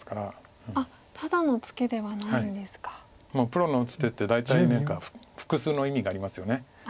プロの打つ手って大体何か複数の意味がありますよね。